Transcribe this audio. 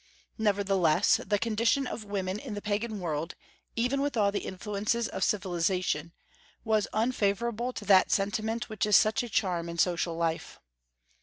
Nevertheless, the condition of women in the Pagan world, even with all the influences of civilization, was unfavorable to that sentiment which is such a charm in social life.